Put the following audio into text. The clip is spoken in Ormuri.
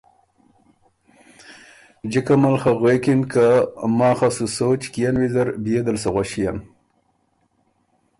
جکه مل خه غوېکِن که ماخه سُو سوچ کيېن ویزر بيې دل سُو غوݭيېن۔